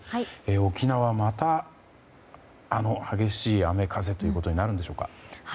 沖縄また激しい雨風ということになるんでしょうか。